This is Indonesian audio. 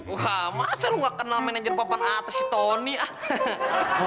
wah masa lu ga kenal managernya papan atas si tony ah